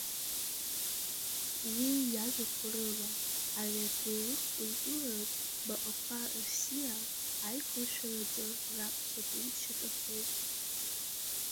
Уи иажәақәа рыла, Ари аҭоурых-культуратә баҟақәа рсиа аиқәыршәараҿы раԥхьатәи шьаҿахоит.